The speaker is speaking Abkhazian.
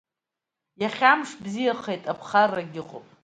Иахьа амш бзиахеит, аԥхарагьы ыҟоуп.